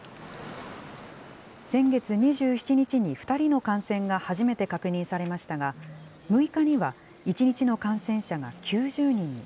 先月２７日に２人の感染が初めて確認されましたが、６日には１日の感染者が９０人に。